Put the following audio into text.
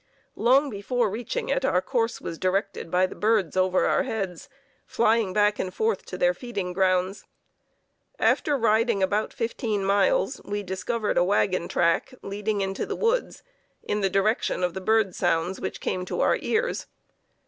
Long before reaching it our course was directed by the birds over our heads, flying back and forth to their feeding grounds. After riding about fifteen miles, we discovered a wagon track leading into the woods, in the direction of the bird sounds which came to our ears.